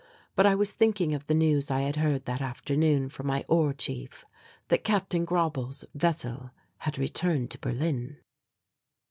But I was thinking of the news I had heard that afternoon from my Ore Chief that Captain Grauble's vessel had returned to Berlin.